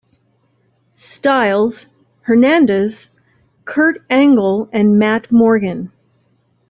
Styles, Hernandez, Kurt Angle, and Matt Morgan.